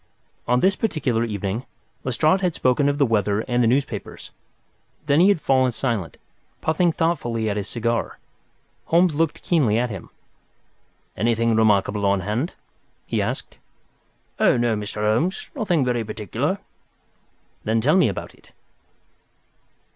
On this particular evening, Lestrade had spoken of the weather and the newspapers. Then he had fallen silent, puffing thoughtfully at his cigar. Holmes looked keenly at him. "Anything remarkable on hand?" he asked. "Oh, no, Mr. Holmes—nothing very particular." "Then tell me about it."